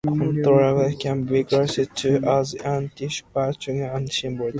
Cotransporters can be classified as antiporters and symporters.